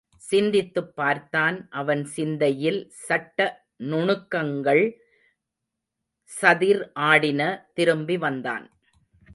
சிந்தித்துப் பார்த்தான் அவன் சிந்தையில் சட்ட நுணுக் கங்கள் சதிர் ஆடின திரும்பி வந்தான்.